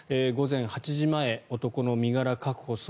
午前８時前、男の身柄確保。